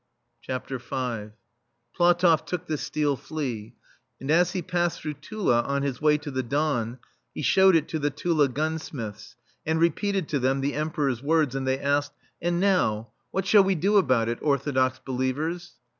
Platoff took the steel flea, and as he passed through Tula on his way to the Don he showed it to the Tula gunsmiths and repeated to them the Emperor's words, and they asked :" And now, [^7] THE STEEL FLEA what shall we do about it, Orthodox believers